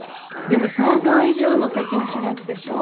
でも想像以上の世間知らずでしょ？